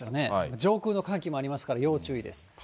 上空の寒気もありますから、要注意です。